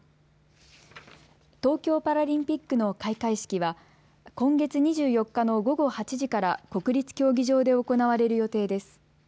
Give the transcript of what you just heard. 東京パラリンピックの開会式は今月２４日の午後８時から国立競技場で行われる予定です。